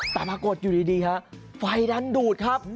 แต่ปรากฏอยู่ดีฮะไฟดันดูดครับ